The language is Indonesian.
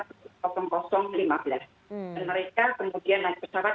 dan mereka kemudian naik pesawat